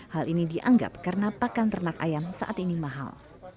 hal ini dianggap karena pakan ternak ayam saat ini mahal